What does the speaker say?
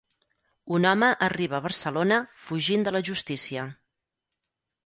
Un home arriba a Barcelona fugint de la justícia.